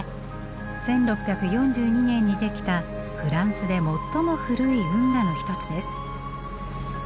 １６４２年に出来たフランスで最も古い運河の一つです。